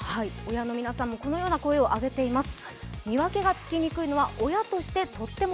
親の皆さんもこのような声も出ています。